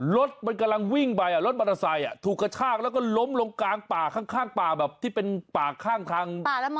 รถมันกำลังวิ่งไปรถมอเตอร์ไซค์ถูกกระชากแล้วก็ล้มลงกลางป่าข้างป่าแบบที่เป็นป่าข้างทาง